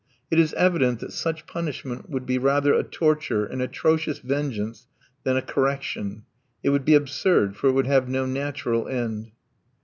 It is evident that such punishment would be rather a torture, an atrocious vengeance, than a correction. It would be absurd, for it would have no natural end.